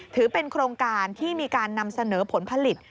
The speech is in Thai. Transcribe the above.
ถือเป็นโครงการที่มีการนำเสนอผลผลิต